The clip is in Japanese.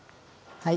はい。